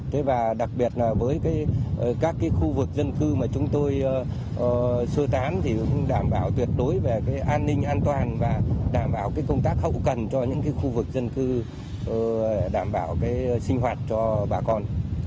thế và đặc biệt là với các khu vực dân cư mà chúng tôi sơ tán thì cũng đảm bảo tuyệt đối về cái an ninh an toàn và đảm bảo cái công tác hậu cần cho những cái khu vực dân cư đảm bảo cái sinh hoạt cho bà con